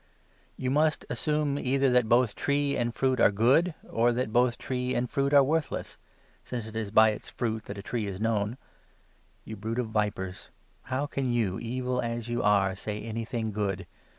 words ^ou must assume either that both tree and fruit 33 a. Test of are good, or that both tree and fruit are worthless ; character, since it is by its fruit that a tree is known. You 34 brood of vipers ! how can you, evil as you are, say anything good